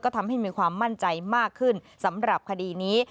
ทำให้มีความมั่นใจมากขึ้นสำหรับคดีนี้